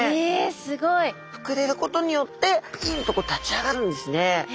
膨れることによってピンと立ち上がるんですね。